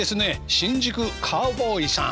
新宿カウボーイさん。